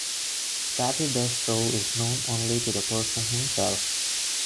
That he does so is known only to the person himself.